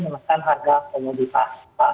menekan harga komoditas